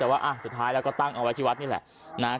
แต่ว่าสุดท้ายแล้วก็ตั้งเอาไว้ที่วัดนี่แหละนะฮะ